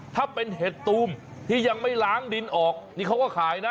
ถ้าเป็นเห็ดตูมที่ยังไม่ล้างดินออกนี่เขาก็ขายนะ